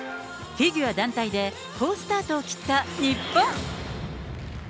フィギュア団体で、好スタートを切った日本。